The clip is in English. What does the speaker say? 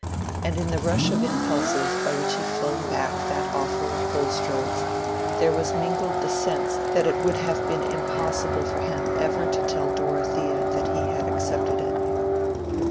And in the rush of impulses by which he flung back that offer of Bulstrode's there was mingled the sense that it would have been impossible for him ever to tell Dorothea that he had accepted it.